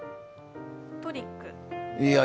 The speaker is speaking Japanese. トリック。